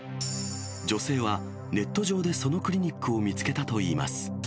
女性はネット上でそのクリニックを見つけたといいます。